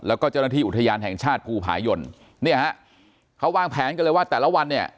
แล้วก็เจ้าหน้าที่อุทยานแห่งชาติภูผายนเนี่ยฮะเขาวางแผนกันเลยว่าแต่ละวันเนี่ย